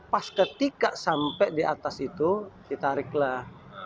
pas ketika sampai di atas itu ditariklah